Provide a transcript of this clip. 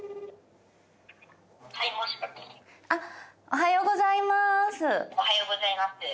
おはようございます。